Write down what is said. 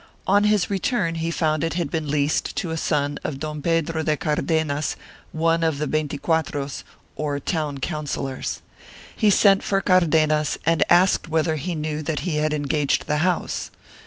On his return he found that it had been leased to a son of Don Pedro de Cardenas, one of the veinticuatros, or town councillors. He sent for Cardenas and asked whether, he knew that he had engaged the house.